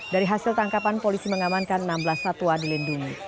dari hasil tangkapan polisi mengamankan enam belas satwa dilindungi